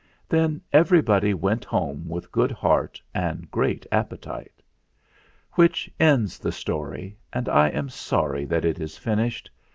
334 THE FLINT HEART Then everybody went home with good heart and good appetite. Which ends the story, and I am sorry that it is finished.